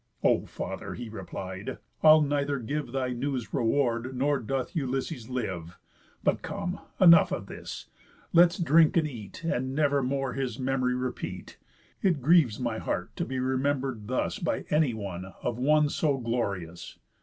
"O father," he replied, "I'll neither give Thy news reward, nor doth Ulysses live. But come, enough of this, let's drink and eat, And never more his memory repeat. It grieves my heart to be remember'd thus By anyone of one so glorious.